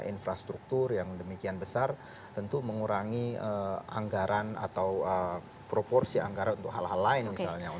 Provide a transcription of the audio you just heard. infrastruktur yang demikian besar tentu mengurangi anggaran atau proporsi anggaran untuk hal hal lain misalnya